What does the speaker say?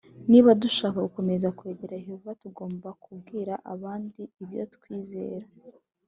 Niba dushaka gukomeza kwegera Yehova tugomba kubwira abandi ibyo twizera